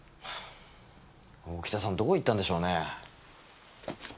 大北さんどこ行ったんでしょうねぇ？